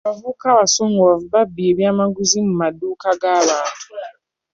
Abavubuka abasunguwavu babbye ebyamaguzi mu maduuka g'abantu.